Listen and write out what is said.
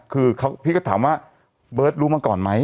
คือพี่ก็ถามว่าเบิร์ตรู้มาก่อนไหม